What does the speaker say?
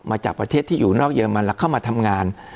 มาจากประเทศที่อยู่นอกเยอรมันแล้วเข้ามาทำงาน